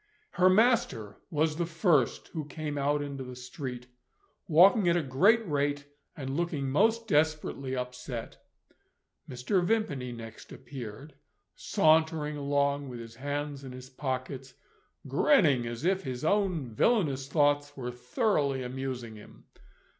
Her master was the first who came out into the street; walking at a great rate, and looking most desperately upset. Mr. Vimpany next appeared, sauntering along with his hands in his pockets, grinning as if his own villainous thoughts were thoroughly amusing him.